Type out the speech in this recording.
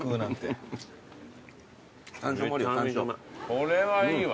これはいいわ。